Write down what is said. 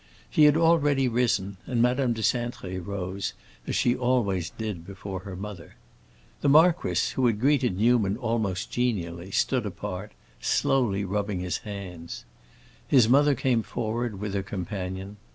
He had already risen, and Madame de Cintré rose, as she always did before her mother. The marquis, who had greeted Newman almost genially, stood apart, slowly rubbing his hands. His mother came forward with her companion.